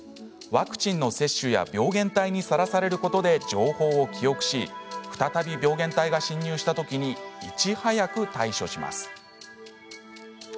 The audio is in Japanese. ワクチンの接種や病原体にさらされることで情報を記憶し再び病原体が侵入したときにいち早く対処します。